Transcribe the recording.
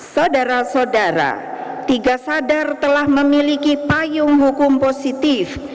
saudara saudara tiga sadar telah memiliki payung hukum positif